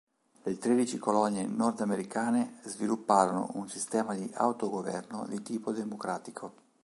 Le Tredici colonie nordamericane svilupparono un sistema di autogoverno di tipo democratico.